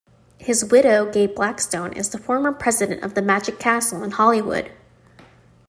His widow, Gay Blackstone, is the former president of The Magic Castle in Hollywood.